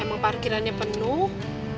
emang parkirannya penuh